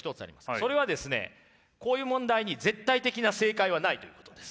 それはですねこういう問題に絶対的な正解はないということです。